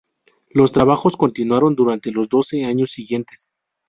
Los trabajos continuaron durante los doce años siguientes.